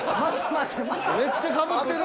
めっちゃかぶってる。